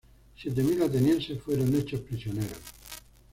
Siete mil atenienses fueron hechos prisioneros.